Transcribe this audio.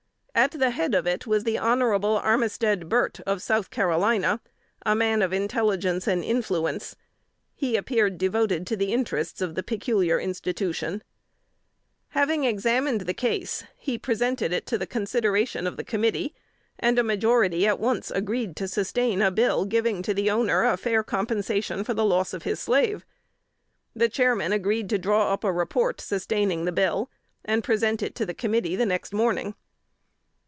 At the head of it was the Hon. Armisted Burt, of South Carolina, a man of intelligence and influence. He appeared devoted to the interests of the "peculiar institution." [Sidenote: 1848.] Having examined the case, he presented it to the consideration of the committee, and a majority at once agreed to sustain a bill giving to the owner a fair compensation for the loss of his slave. The Chairman agreed to draw up a report sustaining the bill, and present it to the committee the next morning.